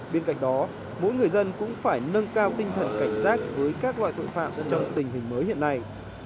bên cạnh đó mỗi người dân cũng phải nâng cao tinh thần cảnh giác với các loại tội phạm trong tình hình mới hiện nay